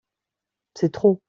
C'est trop.